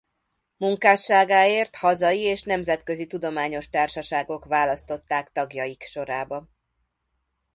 Munkásságáért hazai és nemzetközi tudományos társaságok választották tagjaik sorába.